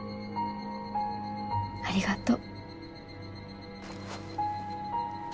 ありがとう。